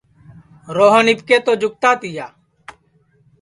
روہن اِٻکے تو جُگتا تِیا